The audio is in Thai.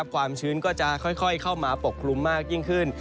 ความชื้นก็จะค่อยเข้ามาปกครุมมากยิ่งขึ้น